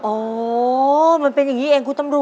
โอ้มันเป็นอย่างงี้เองครับครอบครับ